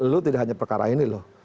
dulu tidak hanya perkara ini loh